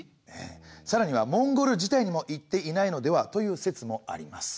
さらにはモンゴル自体にも行っていないのではという説もあります。